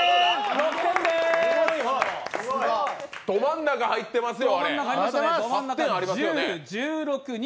ど真ん中入ってますよ。